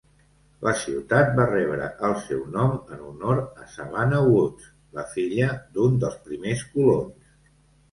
La ciutat va rebre el seu nom en honor a Savannah Woods, la filla d'un dels primers colons.